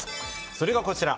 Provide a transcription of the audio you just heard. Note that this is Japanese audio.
それがこちら。